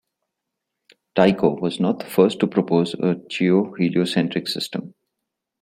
Tycho was not the first to propose a geoheliocentric system.